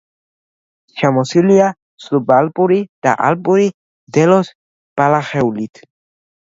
შემოსილია სუბალპური და ალპური მდელოს ბალახეულით.